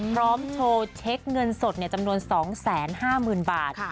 พร้อมโชว์เช็คเงินสดจำนวน๒๕๐๐๐บาท